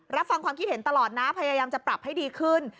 รับฟังความคิดเห็นตลอดนะพยายามจะปรับให้ดีขึ้น